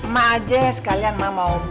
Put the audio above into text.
mak aja sekalian mak mau nunggu burin